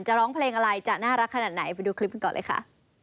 ร้องเพลงอะไรจะน่ารักขนาดไหนไปดูคลิปกันก่อนเลยค่ะ